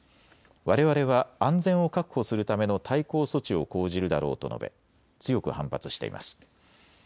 われわれは安全を確保するための対抗措置を講じるだろうと述べ強く反発しています。